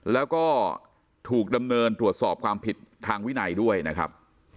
แล้วก็ถูกดำเนินตรวจสอบความผิดทางวินัยด้วยนะครับ